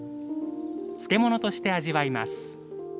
漬物として味わいます。